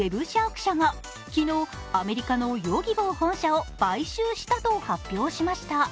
シャーク社が昨日、アメリカのＹｏｇｉｂｏ本社を買収したと発表しました。